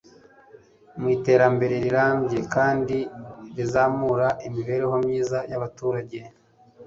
mu iterambere rirambye kandi rizamura imibereho myiza y'abaturage